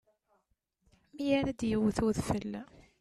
Mi ara d-iwwet udfel.